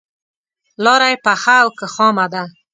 لاره یې پخه او که خامه ده.